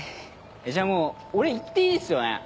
じゃあもう俺行っていいっすよね？